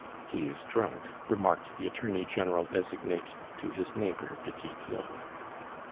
"He is drunk," remarked the attorney general designate to his neighbor, Petit Claud.